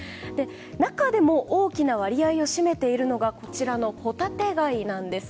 中でも、大きな割合を占めているのがホタテ貝です。